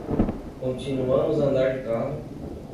Continuamos a andar de carro